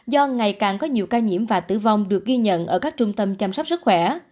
do ngày càng có nhiều ca nhiễm và tử vong được ghi nhận ở các trung tâm chăm sóc sức khỏe